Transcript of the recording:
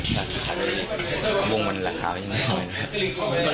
ใช่ค่ะวงมันราคาเป็นอย่างน้อยนะครับ